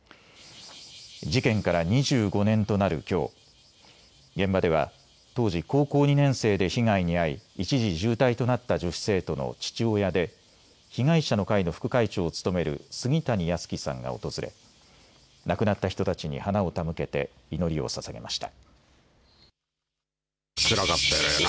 事件から２５年となるきょう、現場では当時高校２年生で被害に遭い一時重体となった女子生徒の父親で被害者の会の副会長を務める杉谷安生さんが訪れ亡くなった人たちに花を手向けて祈りをささげました。